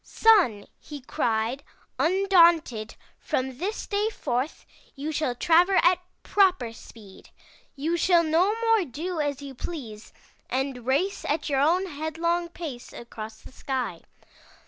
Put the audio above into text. " *Sun,' he cried, undaunted, 'from this day forth, you shall travel at proper speed. You shall no more do as you please and race at your own headlong pace across the sky.